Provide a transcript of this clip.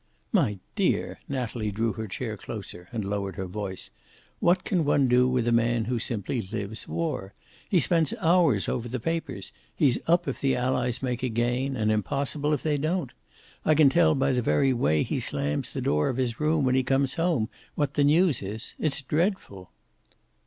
"My dear!" Natalie drew her chair closer and lowered her voice. "What can one do with a man who simply lives war? He spends hours over the papers. He's up if the Allies make a gain, and impossible if they don't. I can tell by the very way he slams the door of his room when he comes home what the news is. It's dreadful."